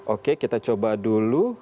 oke kita coba dulu